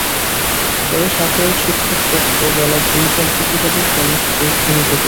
পরে সাধারণ শিক্ষক পক্ষ বেলা দুইটার দিকে তাঁদের কর্মসূচি স্থগিত করে নেন।